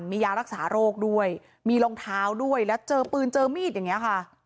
มียารักษาโรคด้วยมีรองเท้าด้วยแล้วเจอปืนเจอมีดอย่างนี้ค่ะ